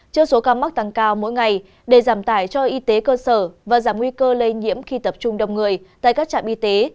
trước số ca mắc tăng cao mỗi ngày để giảm tải cho y tế cơ sở và giảm nguy cơ lây nhiễm khi tập trung đông người tại các trạm y tế